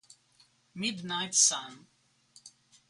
Midnight Sun